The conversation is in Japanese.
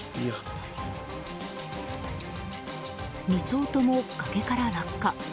２頭とも崖から落下。